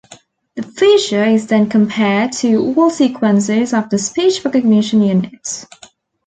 The feature is then compared to all sequences of the speech recognition units.